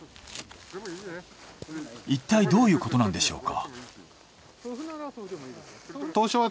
いったいどういうことなんでしょうか？